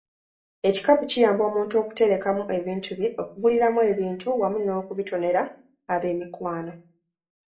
Ekikapu kiyamba omuntu okuterekamu ebintu bye, okuguliramu ebintu wamu n'okubitonera ab'emikwano.